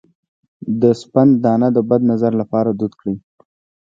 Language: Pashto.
د سپند دانه د بد نظر لپاره دود کړئ